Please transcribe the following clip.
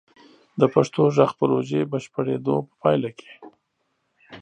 د پښتو غږ پروژې بشپړیدو په پایله کې: